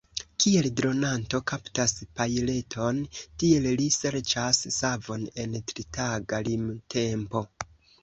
Kiel dronanto kaptas pajleton, tiel li serĉas savon en tritaga limtempo.